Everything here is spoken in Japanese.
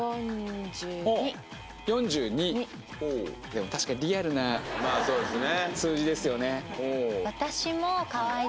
でも確かにリアルな数字ですよね